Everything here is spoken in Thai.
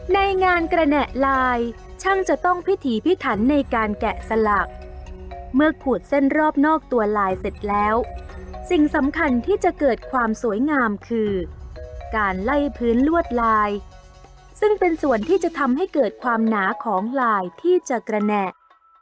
ในงานกระแหน่ลายช่างจะต้องพิถีพิถันในการแกะสลักเมื่อขูดเส้นรอบนอกตัวลายเสร็จแล้วสิ่งสำคัญที่จะเกิดความสวยงามคือการไล่พื้นลวดลายซึ่งเป็นส่วนที่จะทำให้เกิดความหนาของลายที่จะกระแหน่